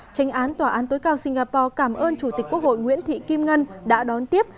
tranh án tòa án tối cao singapore cảm ơn chủ tịch quốc hội nguyễn thị kim ngân đã đón tiếp